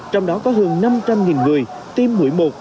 trong đó có hơn năm trăm linh người tiêm mũi một